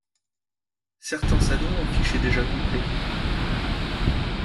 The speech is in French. Certains salons affichaient déjà complet.